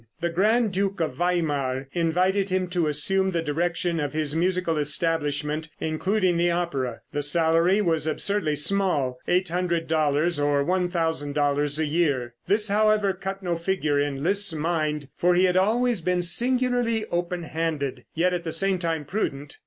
The grand duke of Weimar invited him to assume the direction of his musical establishment, including the opera. The salary was absurdly small $800 or $1,000 a year. This, however, cut no figure in Liszt's mind, for he had always been singularly open handed, yet at same time prudent.